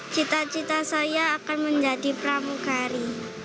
cita cita saya akan menjadi pramugari